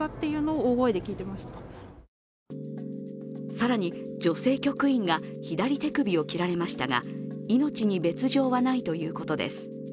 更に、女性局員が左手首を切られましたが命に別状はないということです。